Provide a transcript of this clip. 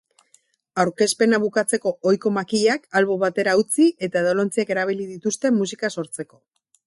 Aurkezpena bukatzeko ohiko makilak albo batera utzi eta edalontziak erabili dituzte musika sortzeko.